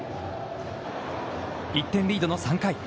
１点リードの３回。